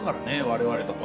我々とか。